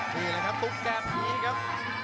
นี่แหละครับตุ๊บแบบนี้ครับ